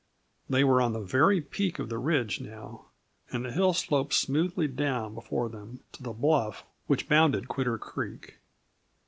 They were on the very peak of the ridge now, and the hill sloped smoothly down before them to the bluff which bounded Quitter Creek.